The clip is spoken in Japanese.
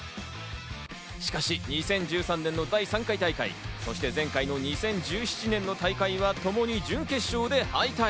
しかし２０１３年の第３回大会、前回の２０１７年の大会はともに準決勝で敗退。